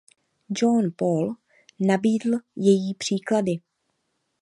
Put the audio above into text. Jean-Paul nabídl její příklady.